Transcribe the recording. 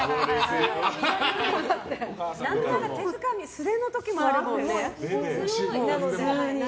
何なら手づかみの時もあるもんね。